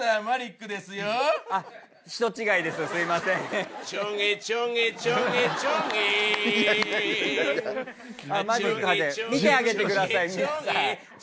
マジック見てあげてください。